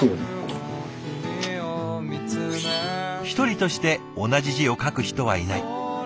一人として同じ字を書く人はいない。